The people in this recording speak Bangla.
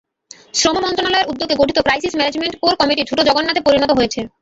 শ্রম মন্ত্রণালয়ের উদ্যোগে গঠিত ক্রাইসিস ম্যানেজমেন্ট কোর কমিটি ঠুঁটো জগন্নাথে পরিণত হয়েছে।